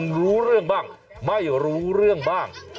รู้เรื่องบ้างไม่รู้เรื่องบ้าง